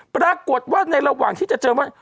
ปรากฏว่าในระหว่างที่จะเจอว่า